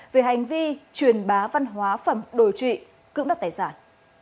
về hành vi truyền bá văn hóa phẩm đồ trị cưỡng đất tài sản